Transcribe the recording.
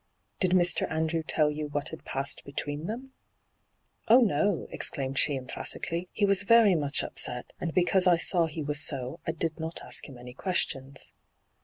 Did Mr, Andrew tell you what had passed between them?' hyGoogIc 72 ENTRAPPED ' Oh DO I' exclaimed she emphatically. ' He was very much upset, and because I saw be was so I did not ask him any ques' tions.'